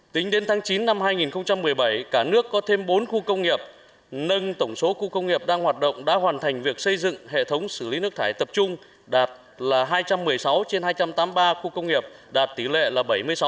tính đến tháng chín năm hai nghìn một mươi bảy cả nước có thêm bốn khu công nghiệp nâng tổng số khu công nghiệp đang hoạt động đã hoàn thành việc xây dựng hệ thống xử lý nước thải tập trung đạt là hai trăm một mươi sáu trên hai trăm tám mươi ba khu công nghiệp đạt tỷ lệ là bảy mươi sáu